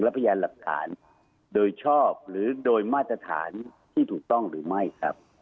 และพยานหลักฐานโดยชอบหรือโดยมาตรฐานที่ถูกต้องหรือไม่ครับ